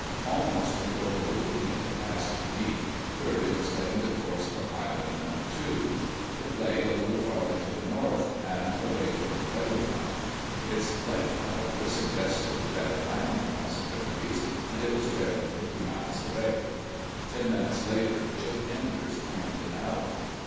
Almost before the little peak had passed beneath, Curly was laying the course for Island number two. It lay a little farther to the north, and away from the weather front. Its length, however, suggested better landing possibilities, and it was barely fifty miles away. Ten minutes later Chick Enders pointed it out.